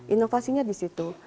inovasinya di situ